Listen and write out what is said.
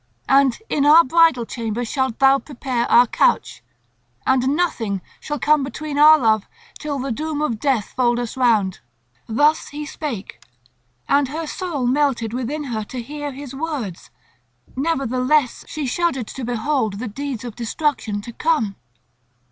And in our bridal chamber shalt thou prepare our couch; and nothing shall come between our love till the doom of death fold us round." Thus he spake; and her soul melted within her to hear his words; nevertheless she shuddered to behold the deeds of destruction to come.